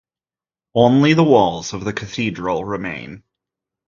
Only the walls of the Cathedral remain.